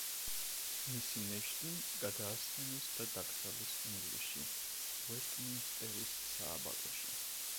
მისი ნეშტი გადაასვენეს და დაკრძალეს ინგლისში, უესტმინსტერის სააბატოში.